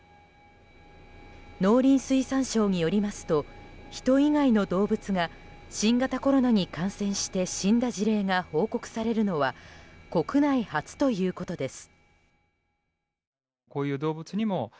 農林水産省によりますと人以外の動物が新型コロナに感染して死んだ事例が報告されるのは国内初ということです。